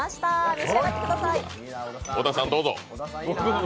召し上がってください。